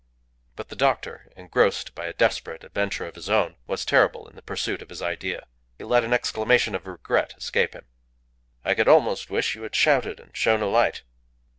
But the doctor, engrossed by a desperate adventure of his own, was terrible in the pursuit of his idea. He let an exclamation of regret escape him. "I could almost wish you had shouted and shown a light."